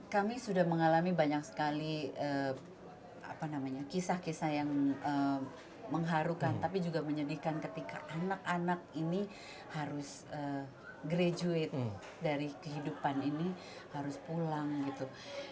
kami sudah mengalami banyak sekali kisah kisah yang mengharukan tapi juga menyedihkan ketika anak anak ini harus graduate dari kehidupan ini harus pulang gitu